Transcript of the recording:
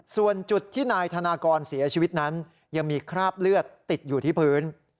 ส่วนจุดที่นายธนากรเสียชีวิตนั้นยังมีคราบเลือดติดอยู่ที่พื้น